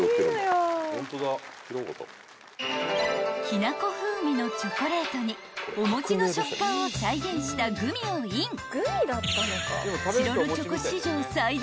［きな粉風味のチョコレートにお餅の食感を再現したグミをイン］